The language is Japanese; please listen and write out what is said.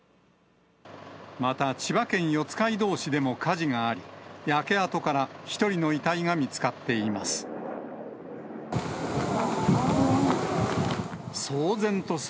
また、千葉県四街道市でも火事があり、焼け跡から１人の遺体が見つかっています。